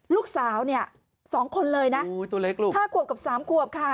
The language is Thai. ลูกสาวเนี่ย๒คนเลยนะ๕กวบกับ๓กวบค่ะ